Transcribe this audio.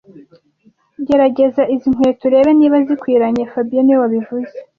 Gerageza izi nkweto urebe niba zikwiranye fabien niwe wabivuze